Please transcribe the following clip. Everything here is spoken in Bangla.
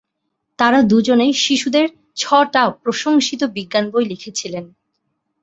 তাঁরা দুজনে শিশুদের ছ-টা প্রশংসিত বিজ্ঞান বই লিখেছিলেন।